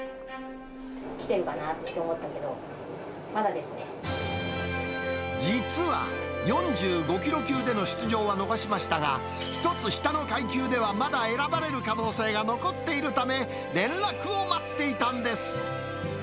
来てるかなと思ったけど、実は、４５キロ級での出場は逃しましたが、１つ下の階級ではまだ選ばれる可能性が残っているため、連絡を待っていたんです。